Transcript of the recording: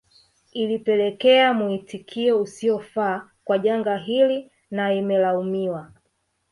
Ilipelekea muitikio usiofaa wa janga hili na imelaumiwa